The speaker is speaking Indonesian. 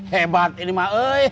hebat ini ma